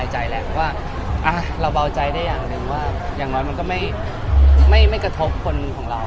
เพราะว่าเราเบาใจได้อย่างหนึ่งว่าอย่างน้อยมันก็ไม่กระทบคนของเรา